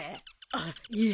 あっいや。